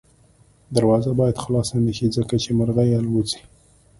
دروازه باید خلاصه نه شي ځکه چې مرغۍ الوځي.